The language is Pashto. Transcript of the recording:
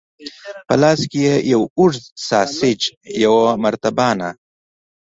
په لاس کې یې یو اوږد ساسیج، یوه مرتبانه.